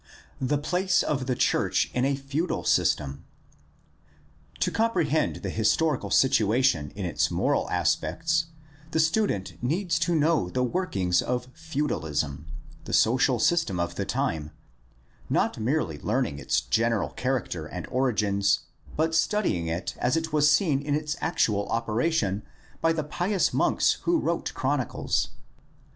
The place of the church in a feudal system. — To com prehend the historical situation in its moral aspects the student needs to know the workings of feudalism — the social system of the time — not merely learning its general character and origins but studying it as it was seen in its actual opera tion by the pious monks who wrote chronicles.